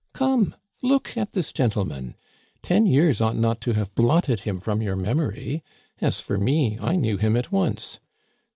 Come, look at this gentleman ; ten years ought not to have blotted him from your memory. As for me I knew him at once.